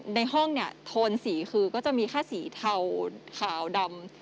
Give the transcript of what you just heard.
ในห้องเนี่ยโทนสีคือก็จะมีแค่สีเทาขาวดำ